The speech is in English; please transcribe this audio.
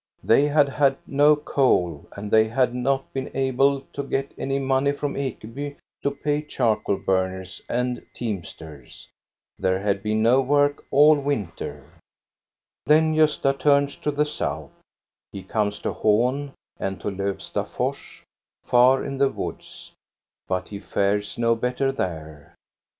They had had no coal, and they had not been able to get any money from Ekeby to pay charcoal burners and teamsters. There had been no work all winter. Then Gosta turns to the south. He comes to Hin, 282 THE STORY OF GOSTA BERLING and to Lofstafors, far in in the woods, but he fares no better there.